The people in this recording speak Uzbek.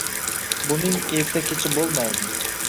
Buning erta kechi bo’lmaydi.